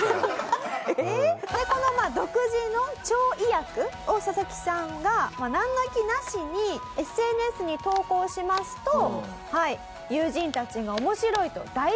この独自の超意訳をササキさんがなんの気なしにＳＮＳに投稿しますと友人たちが「面白い！」と大絶賛してくれたと。